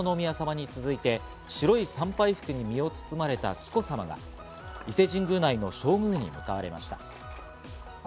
昨日の午前、モーニング姿の秋篠宮さまに続いて、白い参拝服に身を包まれた紀子さまが伊勢神宮内の正宮に向かわれました。